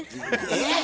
えっ！？